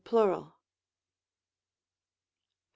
Plural. 1.